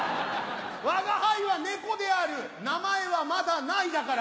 「吾輩は猫である名前はまだ無い」だから！